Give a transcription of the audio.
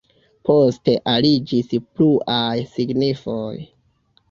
Poste aliĝis pluaj signifoj.